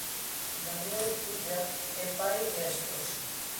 Daniel Hillard é pai e esposo.